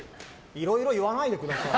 いろいろ言わないでください。